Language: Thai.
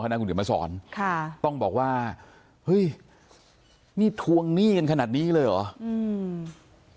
นะคุณเดี๋ยวมาสอนค่ะต้องบอกว่าเฮ้ยนี่ทวงหนี้กันขนาดนี้เลยเหรออืม